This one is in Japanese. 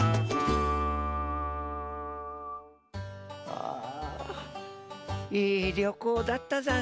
ああいいりょこうだったざんす。